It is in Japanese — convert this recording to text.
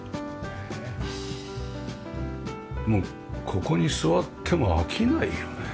もうここに座っても飽きないよね。